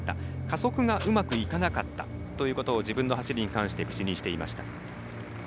加速がうまくいかなかったということを自分の走りに関して口にしていました。